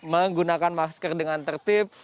menggunakan masker dengan tertib